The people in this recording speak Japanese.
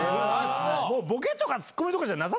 もうボケとかツッコミとかじ